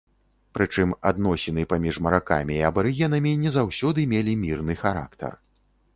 Прычым, адносіны паміж маракамі і абарыгенамі не заўсёды мелі мірны характар.